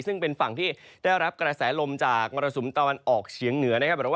ซึ่งเป็นฝั่งที่ได้รับกระแสลมจากมรสุมตะวันออกเฉียงเหนือนะครับ